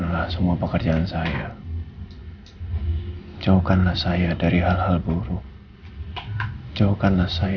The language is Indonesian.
proses proses yang akan hamba lakukan kami